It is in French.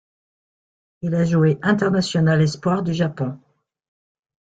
Il a joué international espoir du Japon.